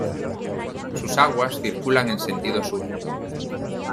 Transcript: Sus aguas circulan en sentido sur.